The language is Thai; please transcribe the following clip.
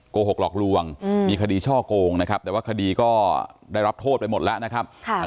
โกหกหลอกลวงมีคดีช่อโกงนะครับแต่ว่าคดีก็ได้รับโทษไปหมดแล้วนะครับ